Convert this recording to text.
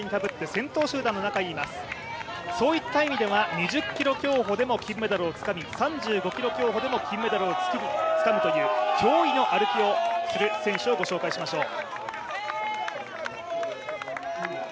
そういった意味では２０ｋｍ競歩でも金メダルをつかみ３５ｋｍ競歩でも金メダルをつかむという驚異の歩きをする選手をご紹介しましょう。